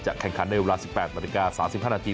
แข่งขันในเวลา๑๘นาฬิกา๓๕นาที